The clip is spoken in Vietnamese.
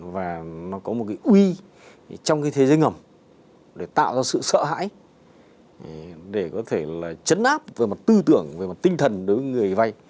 và nó có một cái uy trong cái thế giới ngầm để tạo ra sự sợ hãi để có thể là chấn áp về mặt tư tưởng về mặt tinh thần đối với người vay